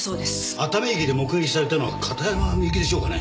熱海駅で目撃されたのは片山みゆきでしょうかね？